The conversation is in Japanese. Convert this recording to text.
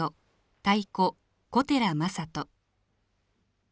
太鼓小寺真佐人。